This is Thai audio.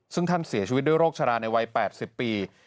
ซึ่งท่านเสียชีวิตด้วยโรคชะลาในวัย๘๐ปี